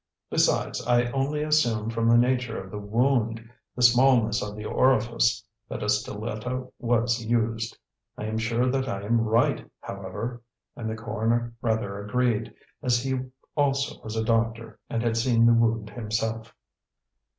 Besides, I only assume from the nature of the wound the smallness of the orifice that a stiletto was used. I am sure that I am right, however!" and the coroner rather agreed, as he also was a doctor and had seen the wound himself.